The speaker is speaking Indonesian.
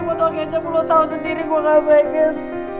botol kecap lo tau sendiri gue gak pengen